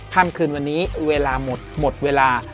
ค่ำคืนวันนี้เวลาหมดหมดเวลา